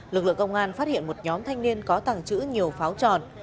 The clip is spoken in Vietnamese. lực lượng công an phát hiện một nhóm thanh niên có tàng trữ nhiều pháo tròn